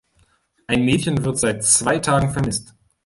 Ein Mädchen wird seit zwei Tagen vermisst.